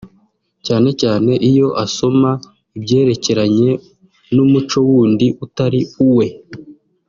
cyane cyane iyo asoma ibyerekeranye n’umuco wundi utari uwe